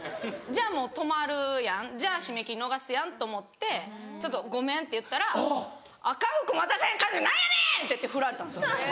じゃあもう泊まるやんじゃあ締め切り逃すやんと思って「ちょっとごめん」って言ったら「赤福も渡せん彼女何やねん！」って言ってフラれたんです私。